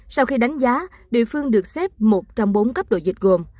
sau khi đánh giá địa phương được xếp một trong bốn cấp độ dịch gồm